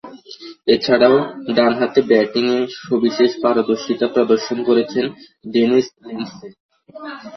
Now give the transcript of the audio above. এছাড়াও, ডানহাতে ব্যাটিংয়ে সবিশেষ পারদর্শিতা প্রদর্শন করেছেন ডেনিস লিন্ডসে।